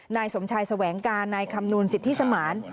นายสมชายแสวงการนายคำนวณสิทธิสมาน